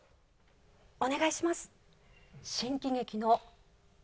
お願いします。